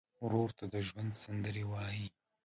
ورور ته د ژوند سندرې وایې.